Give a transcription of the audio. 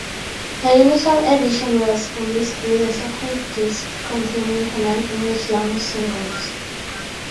A limited edition was released with a second disc containing her non-English language singles.